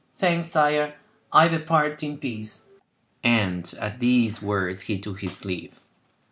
Thanks, sire, I depart in peace;" and at these words he took his leave.